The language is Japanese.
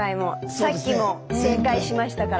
さっきも正解しましたから。